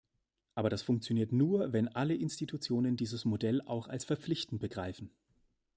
Aber das funktioniert nur, wenn alle Institutionen dieses Modell auch als verpflichtend begreifen.